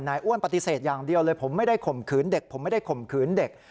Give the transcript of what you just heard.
นายอ้วนปฏิเสธอย่างเดียวเลยผมไม่ได้ข่มขืนเด็ก